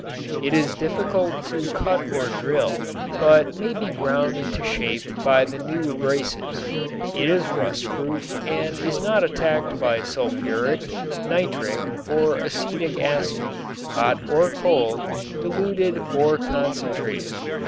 It is difficult to cut or drill but may be ground into shape by the new abrasives. It is rustproof and is not attacked by sulfuric, nitric or acetic acid, hot or cold, diluted or concentrated.